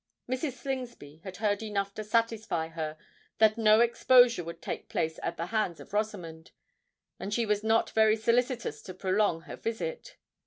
Mrs. Slingsby had heard enough to satisfy her that no exposure would take place at the hands of Rosamond; and she was not very solicitous to prolong her visit.